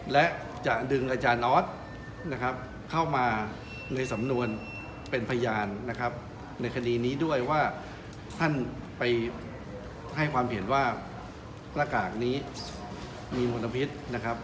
และจะดึงอาจารย์ออสนะครับเข้ามาในสำนวนเป็นพยานนะครับในคดีนี้ด้วยว่าท่านไปให้ความเห็นว่าหน้ากากนี้มีมลพิษนะครับ